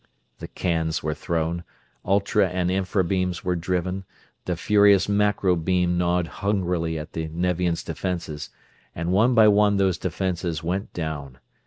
The "cans" were thrown, ultra and infra beams were driven, the furious macro beam gnawed hungrily at the Nevian's defenses; and one by one those defenses went down.